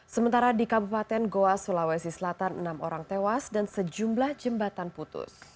sementara di kabupaten goa sulawesi selatan enam orang tewas dan sejumlah jembatan putus